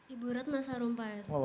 ibu ratna sarumpayat